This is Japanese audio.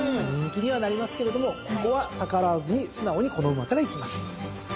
人気にはなりますけれどもここは逆らわずに素直にこの馬からいきます。